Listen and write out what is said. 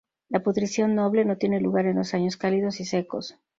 La pudrición noble no tiene lugar en los años cálidos y secos.